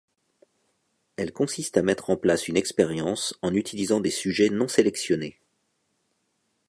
Elle consiste à mettre en place une expérience en utilisant des sujets non sélectionnés.